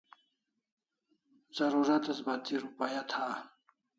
Zarurat as bati rupaya tha